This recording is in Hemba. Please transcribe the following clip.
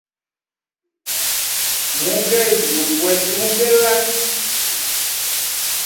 Mugezi gu kwete mugela.